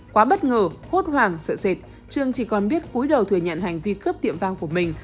quá bất ngờ hốt hoảng sợ sệt trường chỉ còn biết cuối đầu thừa nhận hành vi cướp tiệm vang của mình